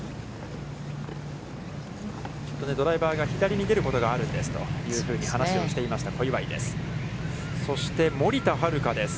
ちょっとドライバーが左に出ることがあるんですというふうに話をしていました小祝です。